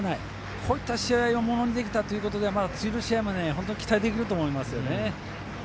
こういった試合をものにできたということで次の試合も期待できると思います。